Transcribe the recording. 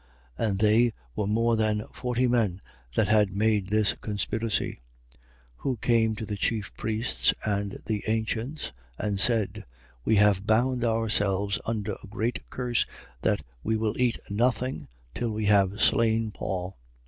23:13. And they were more than forty men that had made this conspiracy. 23:14. Who came to the chief priests and the ancients and said: We have bound ourselves under a great curse that we will eat nothing till we have slain Paul.